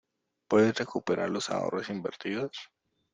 ¿Puedes recuperar los ahorros invertidos?